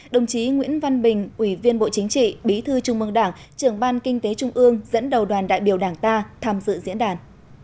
đồng chí nguyễn văn bình ủy viên bộ chính trị bí thư trung mương đảng trưởng ban kinh tế trung ương dẫn đầu đoàn đại biểu đảng ta tham dự diễn đàn